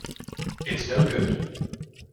It's no good.